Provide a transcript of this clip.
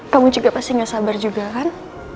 kamu juga pasti gak sabar juga kan